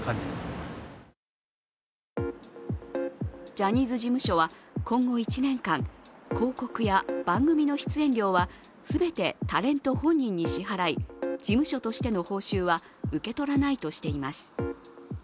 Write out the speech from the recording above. ジャニーズ事務所は今後１年間広告や番組の出演料は全てタレント本人に支払い事務所としての報酬は受け取らないとしています。